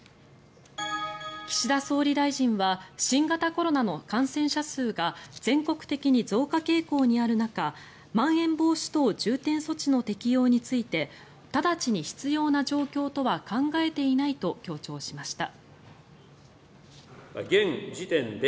岸田総理大臣は新型コロナの感染者数が全国的に増加傾向にある中まん延防止等重点措置の適用について直ちに必要な状況とは考えていないと強調しました。